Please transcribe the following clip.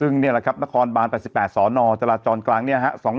ซึ่งนี่แหละครับนครบาน๘๘สนจราจรกลางเนี่ยฮะ